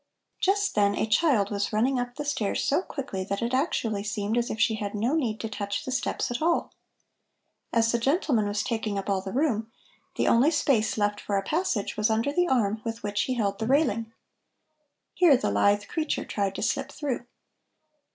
Just then a child was running up the stairs so quickly that it actually seemed as if she had no need to touch the steps at all. As the gentleman was taking up all the room, the only space left for a passage was under the arm with which he held the railing. Here the lithe creature tried to slip through.